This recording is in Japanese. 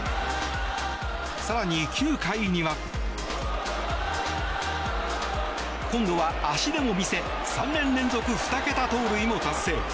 更に９回には今度は足でも見せ３年連続２桁盗塁も達成。